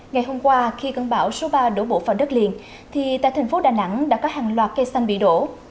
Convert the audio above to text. ngày hôm qua khi cơn bão số ba đổ bộ vào đất liền thì tại thành phố đà nẵng đã có hàng loạt cây xanh bị đổ